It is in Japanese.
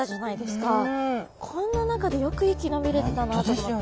こんな中でよく生き延びれてたなと思って。